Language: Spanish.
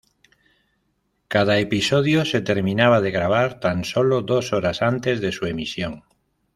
Cada episodio se terminaba de grabar tan solo dos horas antes de su emisión.